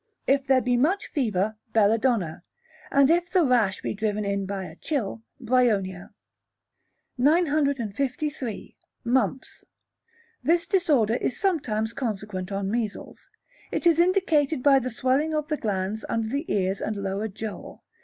If there be much fever, Belladonna; and if the rash be driven in by a chill, Bryonia. 953. Mumps. This disorder is sometimes consequent on measles. It is indicated by the swelling of the glands under the ears and lower jaw.